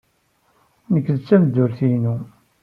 Nekk d tameddurt-inu.